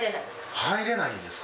入れないんですか。